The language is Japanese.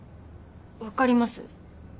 分かります。